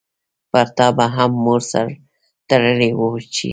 پرتا به هم مور سر تړلی وو چی